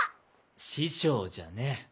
師匠じゃねえ。